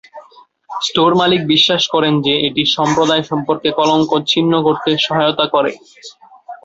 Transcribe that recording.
Store মালিক বিশ্বাস করেন যে এটি সম্প্রদায় সম্পর্কে কলঙ্ক ছিন্ন করতে সহায়তা করে।